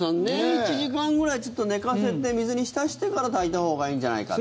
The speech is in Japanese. １時間くらい寝かせて水に浸してから炊いたほうがいいんじゃないかって。